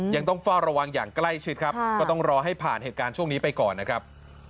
ยังต้องเฝ้าระวังอย่างใกล้ชิดครับก็ต้องรอให้ผ่านเหตุการณ์ช่วงนี้ไปก่อนนะครับ